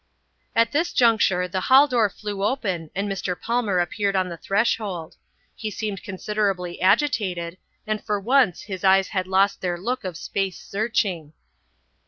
At this juncture the hall door flew open and Mr. Palmer appeared on the threshold. He seemed considerably agitated and for once his eyes had lost their look of space searching.